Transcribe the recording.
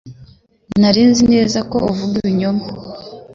Nari nzi neza ko avuga ibinyoma.